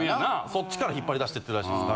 そっちから引っ張り出していってるらしいです